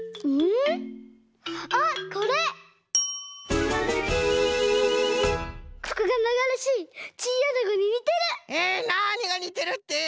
えっなにがにてるって？